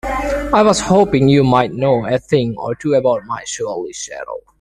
I was hoping you might know a thing or two about my surly shadow?